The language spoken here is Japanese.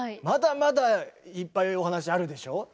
まだまだいっぱいお話あるでしょ？